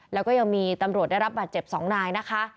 แล้วก็ยังมีตำรวจได้รับบาดเจ็บ๒นายนะคะ